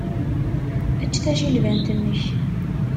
Ečč tajilbant-nnek.